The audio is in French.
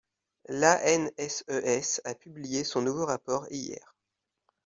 L’ANSES a publié son nouveau rapport hier.